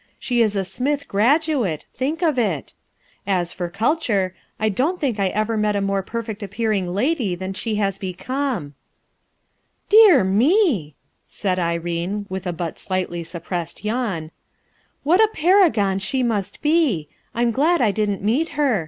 She is a Smith graduate, think of it I As for culture, I don't think I ever met a more perfeet appearing lady than she has become/ 1 "Dear me I" said Irene with a but slightly suppressed yawn, "what a paragon she must be; I'm glad I didn't meet her.